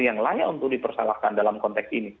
yang layak untuk dipersalahkan dalam konteks ini